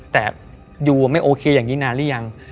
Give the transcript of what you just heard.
แต่ยูไม่โอเคอย่างนี้นานหรือยัง